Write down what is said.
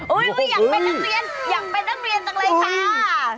อยากเป็นนักเรียนอยากเป็นนักเรียนจังเลยค่ะ